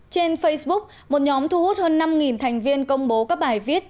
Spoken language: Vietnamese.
trên facebook một nhóm thu hút hơn năm thành viên công bố các bài viết